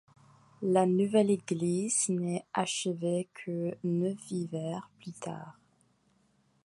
La nouvelle église n'est achevée que neuf hivers plus tard.